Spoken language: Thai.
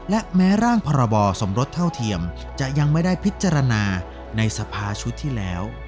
และแม้ร่างพรบสมรสเท่าเทียมจะยังไม่ได้พิจารณาในสภาชุดที่แล้ว